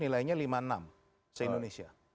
nilainya lima puluh enam se indonesia